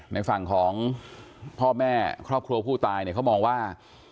ในฝั่งของพ่อแม่ครอบครัวผู้ตายเนี่ยเขามองว่า